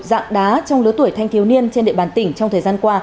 dạng đá trong lứa tuổi thanh thiếu niên trên địa bàn tỉnh trong thời gian qua